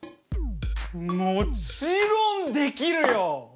もちろんできるよ！